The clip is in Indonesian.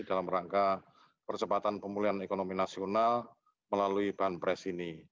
dalam rangka percepatan pemulihan ekonomi nasional melalui banpres ini